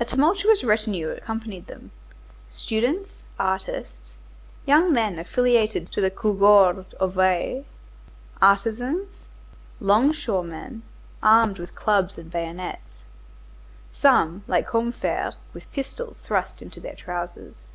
A tumultuous retinue accompanied them,—students, artists, young men affiliated to the Cougourde of Aix, artisans, longshoremen, armed with clubs and bayonets; some, like Combeferre, with pistols thrust into their trousers.